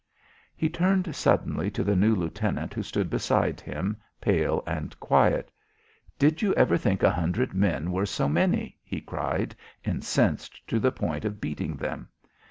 He turned suddenly to the new lieutenant who stood behind him, pale and quiet. "Did you ever think a hundred men were so many?" he cried, incensed to the point of beating them.